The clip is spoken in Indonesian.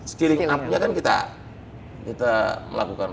skilling up nya kan kita melakukan